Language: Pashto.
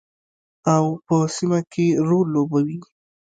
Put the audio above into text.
او په سیمه کې رول لوبوي.